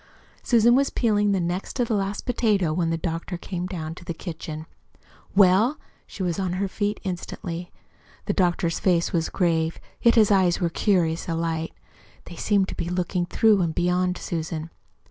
Susan was peeling the next to the last potato when the doctor came down to the kitchen. "Well?" She was on her feet instantly. The doctor's face was grave, yet his eyes were curiously alight. They seemed to be looking through and beyond Susan.